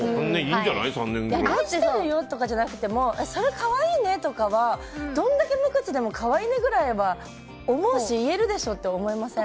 愛してるよとかじゃなくてもそれ、可愛いねとかはどんだけ無口でも可愛いねくらいは思うし言えるでしょって思いません？